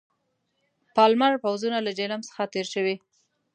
پالمر پوځونه له جیهلم څخه تېر شوي.